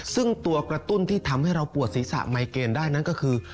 ซึ่งตัวกระตุ้นที่ทำให้เราปวดศีรษะไมเกณฑ์ได้นั้นก็คือ